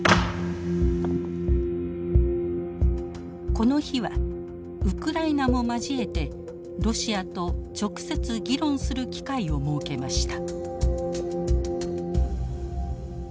この日はウクライナも交えてロシアと直接議論する機会を設けました。